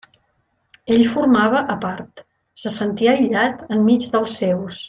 Ell formava a part, se sentia aïllat enmig dels seus.